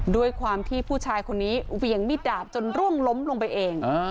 ด้วยความที่ผู้ชายคนนี้เหวี่ยงมิดดาบจนร่วงล้มลงไปเอง